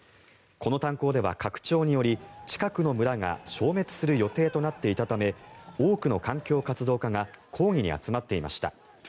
この炭鉱では拡張により近くの村が消滅する予定となっていたため多くの環境活動家が抗議に集まっていました。